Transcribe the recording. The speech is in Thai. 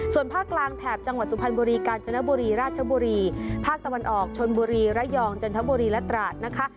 ส่วนภาคกลางแถบจังหวัดสุพรรณบุรีกาญจนบุรีราชบุรีภาคตะวันออกชนบุรีระยองจันทบุรีและตราดนะคะ